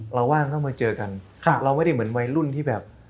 ว่างต้องมาเจอกันเราไม่ได้เหมือนวัยรุ่นที่แบบ